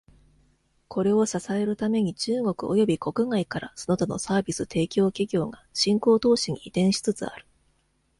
これを支えるために、中国および国外からその他のサービス提供企業が秦皇島市に移転しつつある。